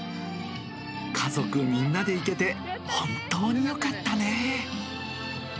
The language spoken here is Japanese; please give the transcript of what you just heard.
家族みんなで行けて、本当によかったね。